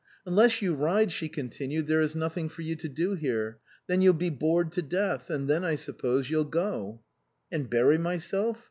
" Unless you ride," she continued, " there is nothing for you to do here. Then you'll be bored to death; and then, I suppose, you'll go?" " And bury myself